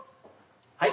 はい？